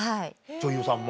女優さんも？